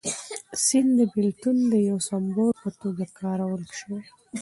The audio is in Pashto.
سیند د بېلتون د یو سمبول په توګه کارول شوی.